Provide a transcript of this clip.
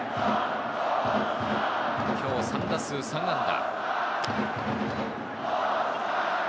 今日３打数３安打。